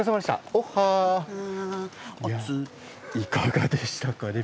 いかがでしたか？